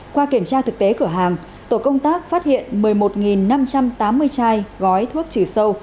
qua kiểm tra thực tế cửa hàng tổ công tác phát hiện một mươi một năm trăm tám mươi chai gói thuốc trừ sâu